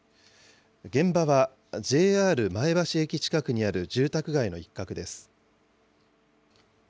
現場は、ＪＲ前橋駅近くにある住宅街の一角です。